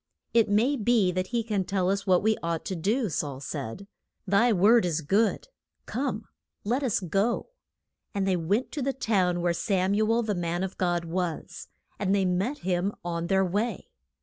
It may be that he can tell us what we ought to do Saul said, Thy word is good; come, let us go. And they went to the town where Sam u el, the man of God, was. And they met him on their way.